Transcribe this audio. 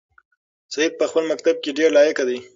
سعید په خپل مکتب کې ډېر لایق دی.